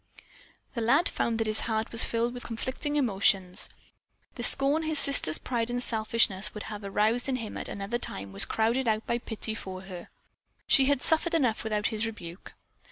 The lad found that his heart was filled with conflicting emotions. The scorn his sister's pride and selfishness would have aroused in him at another time was crowded out by pity for her. She had suffered enough without his rebuke.